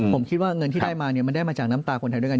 ผมคิดว่าเงินที่ได้มาเนี่ยมันได้มาจากน้ำตาคนไทยด้วยกัน